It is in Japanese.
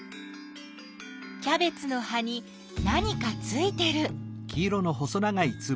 キャベツの葉に何かついてる。